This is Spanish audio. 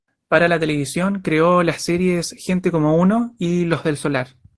Para la televisión, creó las series "Gente como uno" y "Los del Solar".